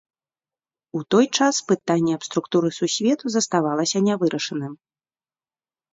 У той час пытанне аб структуры сусвету заставалася нявырашаным.